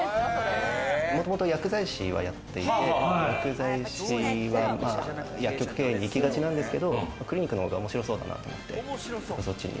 もともと薬剤師はやっていて、薬剤師は薬局経営に行きがちなんですけどクリニックの方が面白そうだなと思って、そっちに。